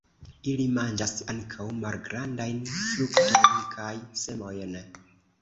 Ili manĝas ankaŭ malgrandajn fruktojn kaj semojn.